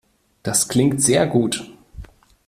Das klingt sehr gut.